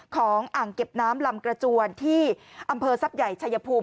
อ่างเก็บน้ำลำกระจวนที่อำเภอทรัพย์ใหญ่ชายภูมิ